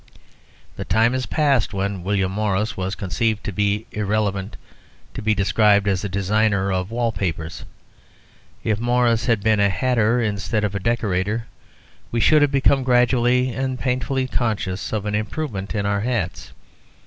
The time has passed when William Morris was conceived to be irrelevant to be described as a designer of wall papers. If Morris had been a hatter instead of a decorator, we should have become gradually and painfully conscious of an improvement in our hats.